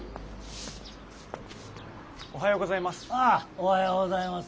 おはようございます。